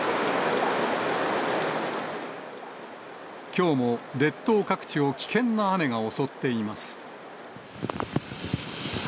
きょうも列島各地を危険な雨が襲っています。